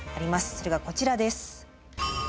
それがこちらです。